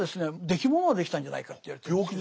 できものができたんじゃないかといわれてるんです。